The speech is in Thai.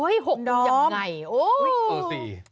๖อย่างไร